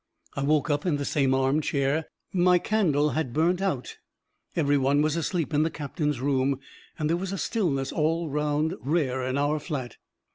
I woke up in the same arm chair; my candle had burnt out; every one was asleep in the captain's room, and there was a stillness all round, rare in our flat.